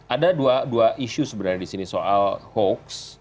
ada dua isu sebenarnya disini soal hoax